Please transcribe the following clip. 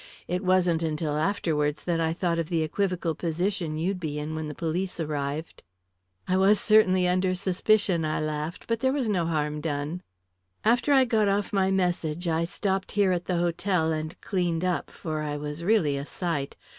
It wasn't until afterwards that I thought of the equivocal position you'd be in when the police arrived." "I was certainly under suspicion," I laughed, "but there was no harm done." "After I got off my message, I stopped here at the hotel, and cleaned up, for I was really a sight.